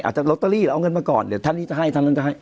ลอตเตอรี่หรือเอาเงินมาก่อนเดี๋ยวท่านนี้จะให้ท่านนั้นจะให้